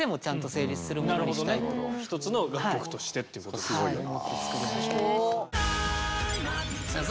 一つの楽曲としてっていうことですよね。